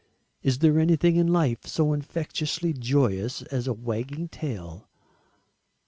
Is there anything in life so infectiously joyous as a wagging tail?